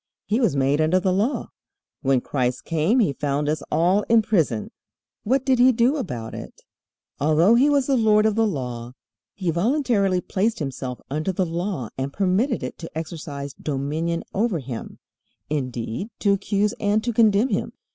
"He was made under the law." When Christ came He found us all in prison. What did He do about it? Although He was the Lord of the Law, He voluntarily placed Himself under the Law and permitted it to exercise dominion over Him, indeed to accuse and to condemn Him.